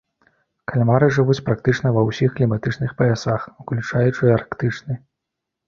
Кальмары жывуць практычна ва ўсіх кліматычных паясах, уключаючы арктычны.